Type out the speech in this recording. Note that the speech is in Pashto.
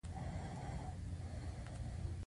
هغوی باید د مثبتو اغیزو څخه ځان ډاډه کړي.